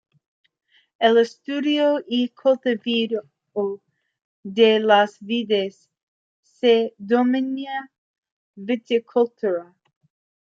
El estudio y cultivo de las vides se denomina viticultura.